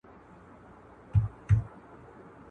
د شکر ناروغان باید خپل فشار کنټرول کړي.